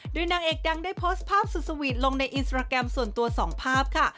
โดยนางเอกดังได้โพสต์ภาพสุดสวีทลงในอินสตราแกรมส่วนตัว๒ภาพค่ะ